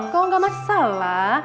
kok gak masalah